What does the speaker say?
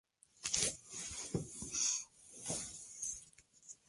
Ésta se presenta en los vegetales, especialmente los de hojas verdes.